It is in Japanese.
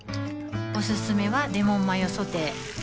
おすすめはレモンマヨソテー